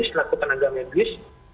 selaku tenaga medis